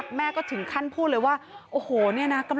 กังฟูเปล่าใหญ่มา